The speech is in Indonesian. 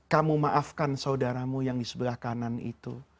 kamu maafkan saudaramu yang di sebelah kanan itu